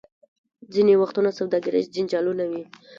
ځینې وختونه سوداګریز جنجالونه وي.